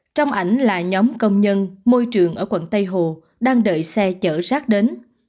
trong ảnh là nhóm công nhân môi trường ở quận tây hồ đang đợi xe chở rác đến